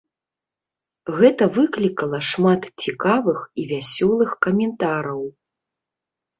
Гэта выклікала шмат цікавых і вясёлых каментараў.